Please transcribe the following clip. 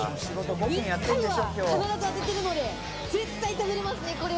１回は必ず当ててるので絶対食べれますね。